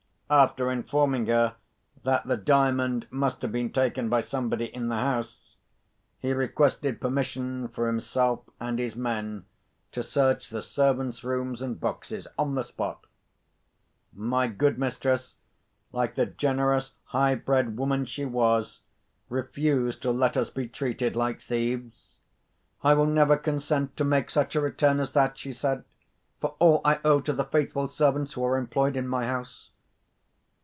After informing her that the Diamond must have been taken by somebody in the house, he requested permission for himself and his men to search the servants' rooms and boxes on the spot. My good mistress, like the generous high bred woman she was, refused to let us be treated like thieves. "I will never consent to make such a return as that," she said, "for all I owe to the faithful servants who are employed in my house."